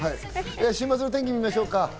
週末の天気を見ましょう。